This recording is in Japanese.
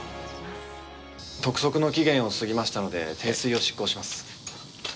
督促の期限を過ぎましたので停水を決行します。